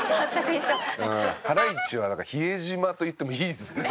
ハライチは比江島といってもいいですね。